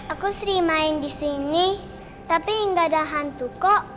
aku sering main disini tapi gak ada hantu kok